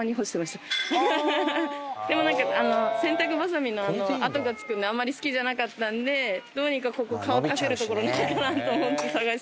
でもなんか洗濯バサミの跡が付くのであんまり好きじゃなかったんでどうにかここを乾かせるところないかなと思って探してて。